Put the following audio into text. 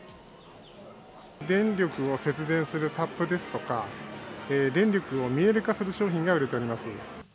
電力を節電するタップですとか、電力を見える化する商品が売れております。